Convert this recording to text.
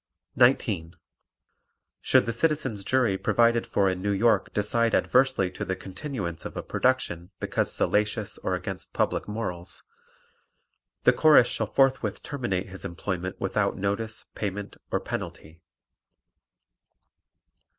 19. Should the Citizens' Jury provided for in New York decide adversely to the continuance of a production because salacious or against public morals, the Chorus shall forthwith terminate his employment without notice, payment or penalty.